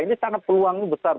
ini sangat peluang besar